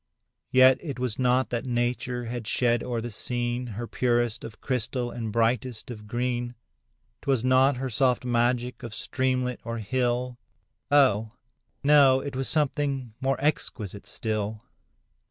Yet it was not that nature had shed o'er the scene Her purest of crystal and brightest of green; 'Twas not her soft magic of streamlet or hill, Oh! no—it was something more exquisite still.